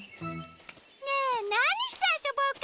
ねえなにしてあそぼうか！